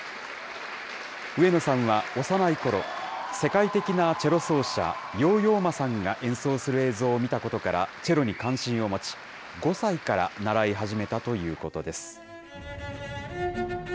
上野さんは幼いころ、世界的なチェロ奏者、ヨーヨー・マさんが演奏する映像を見たことからチェロに関心を持ち、５歳から習い始めたということです。